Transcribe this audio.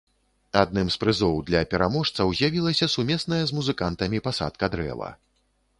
Адным з прызоў для пераможцаў з'явілася сумесная з музыкантамі пасадка дрэва.